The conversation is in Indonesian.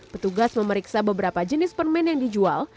petugas memeriksa beberapa jenis permen yang dijual